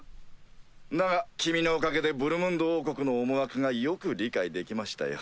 だが君のおかげでブルムンド王国の思惑がよく理解できましたよ。